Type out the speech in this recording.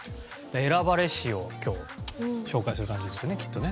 で選ばれしを今日紹介する感じですよねきっとね。